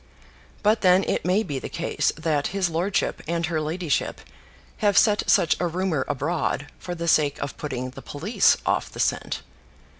But then it may be the case that his lordship and her ladyship have set such a rumour abroad for the sake of putting the police off the scent.